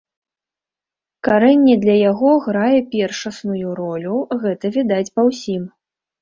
Карэнне для яго грае першасную ролю, гэта відаць па ўсім.